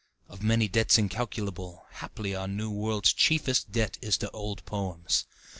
(Of many debts incalculable, Haply our New World's chieftest debt is to old poems.)